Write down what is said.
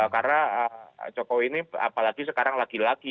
karena jokowi ini apalagi sekarang lagi lagi